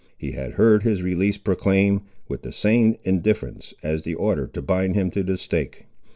He had heard his release proclaimed, with the same indifference as the order to bind him to the stake.